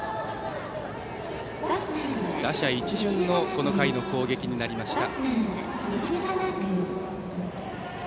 打者一巡のこの回の攻撃になりました。